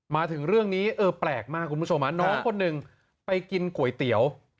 มาถึงเรื่องนี้เออแปลกมากคุณผู้ชมน้องคนหนึ่งไปกินก๋วยเตี๋ยว